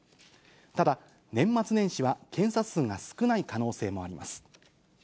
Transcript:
ただ、年末年始は検査数が少ない可能性もあります。